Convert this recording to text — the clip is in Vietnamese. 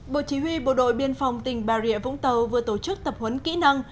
bộ chỉ huy bộ đội biên phòng tỉnh bà rịa vũng tàu vừa tổ chức tập huấn kỹ năng